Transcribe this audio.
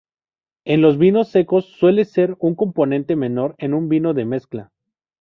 En los vinos secos suele ser un componente menor en un vino de mezcla.